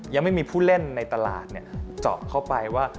ยังไม่มีผู้เล่นในตลาดเจาะเข้าไปว่า